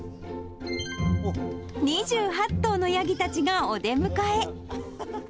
２８頭のヤギたちがお出迎え。